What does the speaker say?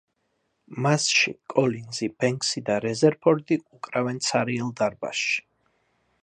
მასში, კოლინზი, ბენქსი და რეზერფორდი უკრავენ ცარიელ დარბაზში.